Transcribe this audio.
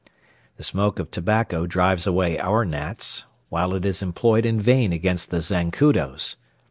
The smoke of tobacco drives away our gnats, while it is employed in vain against the zancudos.